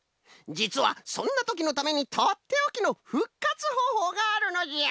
じつはそんなときのためにとっておきのふっかつほうほうがあるのじゃ！